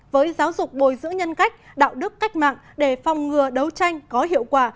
với giáo dục bồi giữ nhân cách đạo đức cách mạng để phòng ngừa đấu tranh có hiệu quả